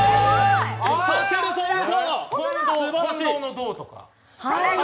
たけるさんお見事！